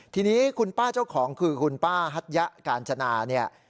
ทีนี้คุณป้าเจ้าของคือคุณป้าฮัทยะกาญจนาเนี่ย